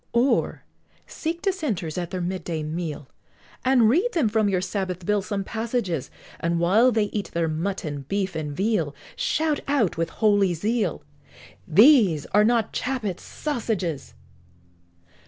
Or, seek Dissenters at their mid day meal, And read them from your Sabbath Bill some passages, And while they eat their mutton, beef, and veal, Shout out with holy zeal, "These are not Chappet's sassages!"